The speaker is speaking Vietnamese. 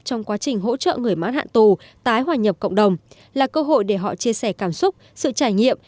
trong quá trình hỗ trợ người mãn hạn tù tái hòa nhập cộng đồng là cơ hội để họ chia sẻ cảm xúc sự trải nghiệm